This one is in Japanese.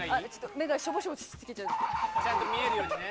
目がショボショボしすぎちゃうちゃんと見えるようにね